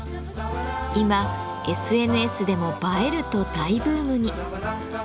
今ＳＮＳでも「映える」と大ブームに。